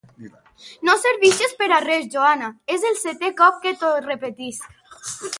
No servixes per a res, Joana; és el seté cop que t'ho repetisc.